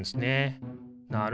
なるほど。